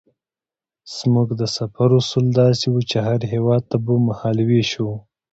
زموږ د سفر اصول داسې وو چې هر هېواد ته به مهال وېش وو.